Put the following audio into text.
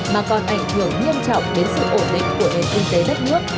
mà còn ảnh hưởng nghiêm trọng đến sự ổn định của nền kinh tế đất nước